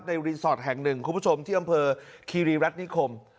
รีสอร์ทแห่งหนึ่งคุณผู้ชมที่อำเภอคีรีรัฐนิคม